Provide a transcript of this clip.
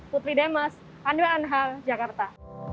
putri demas andre anhar jakarta